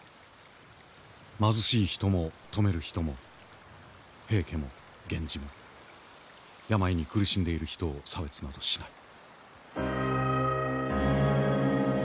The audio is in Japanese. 貧しい人も富める人も平家も源氏も病に苦しんでいる人を差別などしない。